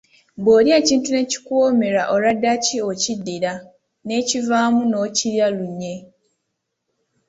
Bw'olya ekintu ne kikuwoomera olwa ddaaki okiddira n’ekivaamu n’okirya lunye.